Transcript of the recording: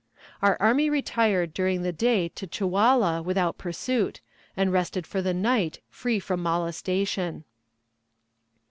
Our army retired during the day to Chewalla without pursuit, and rested for the night free from molestation.